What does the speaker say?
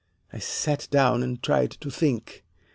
I sat down and tried to think.